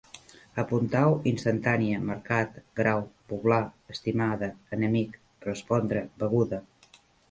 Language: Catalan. Apuntau: instantània, mercat, grau, poblar, estimada, enemic, respondre, beguda